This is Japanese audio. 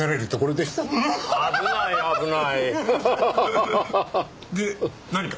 で何か？